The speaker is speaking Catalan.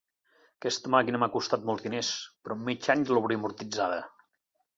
Aquesta màquina m'ha costat molts diners, però en mig any l'hauré amortitzada.